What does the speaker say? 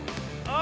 あ！